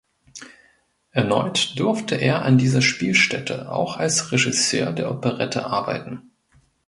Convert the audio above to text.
Erneut durfte er an dieser Spielstätte auch als Regisseur der Operette arbeiten.